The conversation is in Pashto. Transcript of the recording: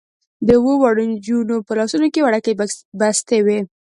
د اوو واړو نجونو په لاسونو کې وړوکې بستې وې.